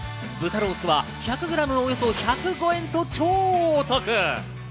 豚ロースは１００グラムおよそ１０５円と超お得。